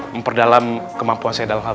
memperdalam kemampuan saya dalam hal